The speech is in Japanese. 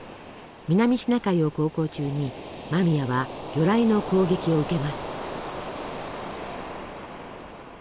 南シナ海を航行中に間宮は魚雷の攻撃を受けます。